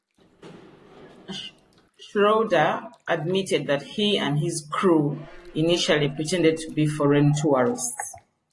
Schroeder admitted that he and his crew initially pretended to be foreign tourists.